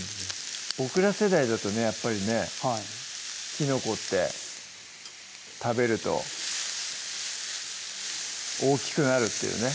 僕ら世代だとねやっぱりねきのこって食べると大きくなるっていうね